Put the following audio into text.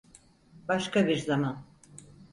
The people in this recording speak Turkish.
Başka bir zaman.